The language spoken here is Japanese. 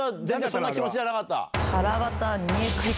そんな気持ちじゃなかった？